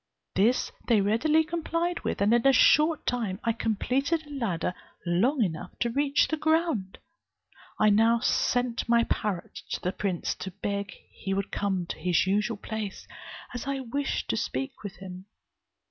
This they readily complied with, and in a short time I completed a ladder long enough to reach the ground. I now sent my parrot to the prince, to beg he would come to his usual place, as I wished to speak with him.